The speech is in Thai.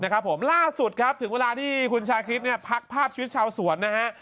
ครับผมล่าสุดครับถึงเวลาที่คุณชาคริสเนี่ยพักภาพชีวิตชาวสวนนะฮะ